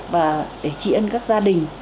và để trị ân các gia đình